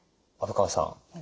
虻川さん